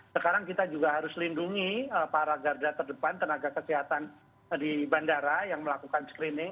sekarang kita juga harus lindungi para garda terdepan tenaga kesehatan di bandara yang melakukan screening